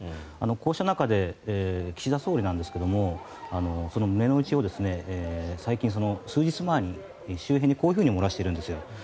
こうした中で岸田総理なんですがその胸の内を最近、数日前に周辺にこういうふうに漏らしているんです。